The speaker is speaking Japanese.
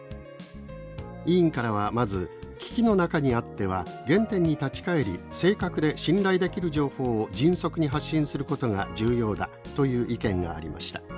委員からは「まず危機の中にあっては原点に立ち返り正確で信頼できる情報を迅速に発信することが重要だ」という意見がありました。